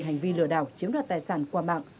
hành vi lừa đảo chiếm đoạt tài sản qua mạng